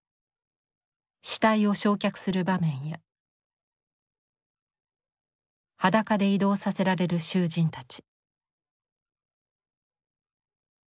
死体を焼却する場面や裸で移動させられる囚人たち。